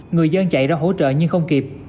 người dân chạy ra hỗ trợ nhưng không kịp